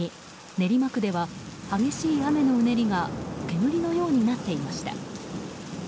練馬区では激しい雨のうねりが煙のようになっていました。